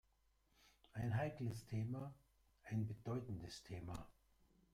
Ein heikles Thema, ein bedeutendes Thema.